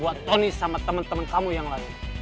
buat tony sama temen temen kamu yang lagi